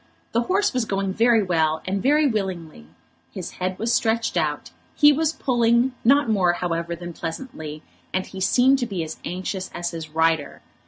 The horse was going very well, and very willingly. His head was stretched out, he was pulling, not more, however, than pleasantly, and he seemed to be as anxious as his rider.